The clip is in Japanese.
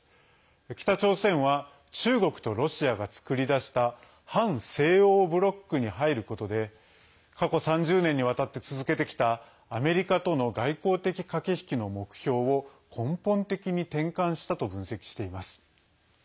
北朝鮮は中国とロシアが作り出した反西欧ブロックに入ることで過去３０年にわたって続けてきたアメリカとの外交的駆け引きの目標を根本的に転換したと分析しています。